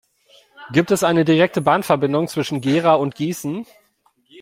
Gibt es eine direkte Bahnverbindung zwischen Gera und Gießen?